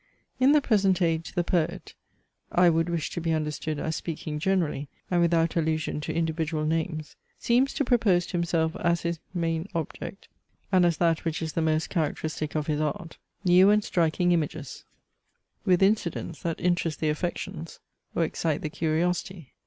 In the present age the poet (I would wish to be understood as speaking generally, and without allusion to individual names) seems to propose to himself as his main object, and as that which is the most characteristic of his art, new and striking images; with incidents that interest the affections or excite the curiosity.